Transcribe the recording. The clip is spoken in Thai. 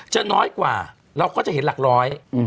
น้อยกว่าเราก็จะเห็นหลักร้อย